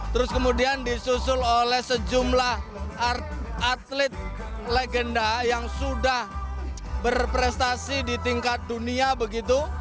terus kemudian disusul oleh sejumlah atlet legenda yang sudah berprestasi di tingkat dunia begitu